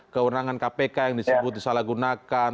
kewenangan kpk yang disebut disalahgunakan